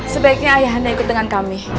sebaiknya ayah anda ikut dengan kami